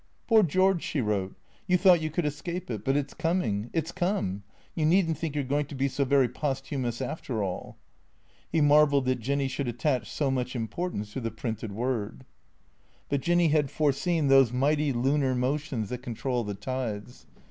" Poor George," she wrote, " you thought you could escape it. But it 's coming — it 's come. You need n't think you 're going to be so very posthumous, after all." He marvelled that Jinny should attach so much importance to the printed word. But Jinny had foreseen those mighty lunar motions that con trol the tides.